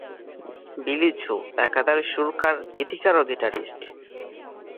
বিলি জো একাধারে সুরকার, গীতিকার ও গিটারিস্ট।